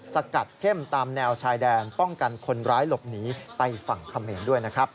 สกัดเข้มตามแนวชายแดนป้องกันคนร้ายหลบหนีไปฝั่งเขมรด้วยนะครับ